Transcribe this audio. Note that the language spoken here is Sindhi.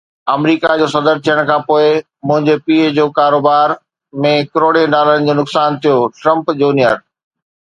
آمريڪا جو صدر ٿيڻ کانپوءِ منهنجي پيءُ جو ڪاروبار ۾ ڪروڙين ڊالرن جو نقصان ٿيو، ٽرمپ جونيئر